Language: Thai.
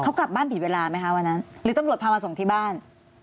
เขากลับบ้านผิดเวลาไหมคะวันนั้นหรือตำรวจพามาส่งที่บ้าน